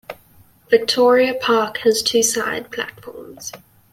Victoria Park has two side platforms.